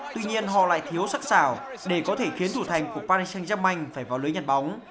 tuy nhiên họ lại thiếu sắc xảo để có thể khiến thủ thành của paris saint germain phải vào lưới nhặt bóng